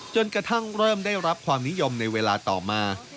จนกระทั่งเริ่มได้รับความนิยมในเวลาต่อมา